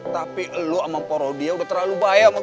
tapi lo sama porodya udah terlalu bahaya sama gue